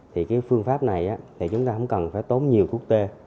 thì phương pháp này chúng ta không cần phải tốn nhiều thuốc tê